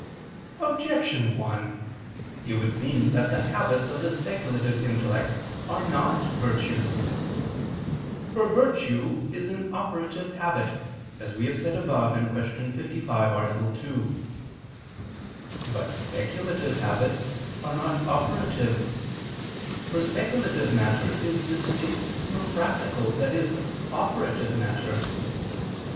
Objection 1: It would seem that the habits of the speculative intellect are not virtues. For virtue is an operative habit, as we have said above (Q. 55, A. 2). But speculative habits are not operative: for speculative matter is distinct from practical, i.e. operative matter.